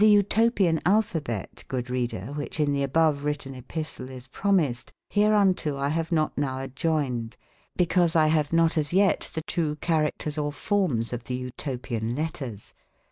f)S atopian Hlpbabete, good Reader, wbicbe in tbe above written Spistle is promised, bereunto X bave I not now adjoyned, because I bave not as yet tbe true cbaracters or fourmes of tbe Cltopiane 281 letters.